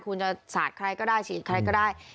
คุณจะสาดใครก็ได้ฉีดใครก็ได้